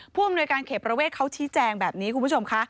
ผู้อำนวยการเขตประเวทเขาชี้แจงแบบนี้คุณผู้ชมค่ะ